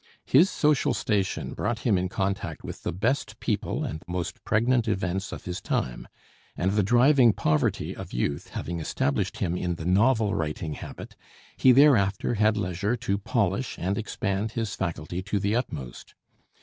His social station brought him in contact with the best people and most pregnant events of his time; and the driving poverty of youth having established him in the novel writing habit, he thereafter had leisure to polish and expand his faculty to the utmost.